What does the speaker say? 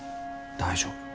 大丈夫。